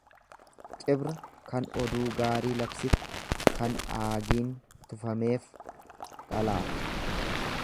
Cibra kan oduu gaarii labsitu kan aagiin tufameef. dhalaaf